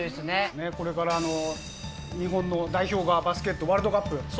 これから日本の代表がバスケットワールドカップ。